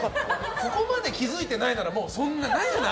ここまで気づいてないならそんなないんじゃない？